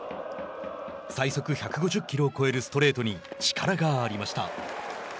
最速１５０キロを超えるストレートに力がありました。